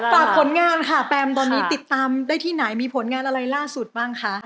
ฝากผลงานค่ะแปมตอนนี้ติดตามได้ที่ไหนมีผลงานอะไรล่าสุดบ้างคะ